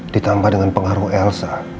ditambah dengan pengaruh elsa